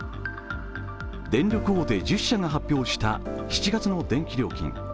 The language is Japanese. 電力大手１０社が発表した７月の電気料金。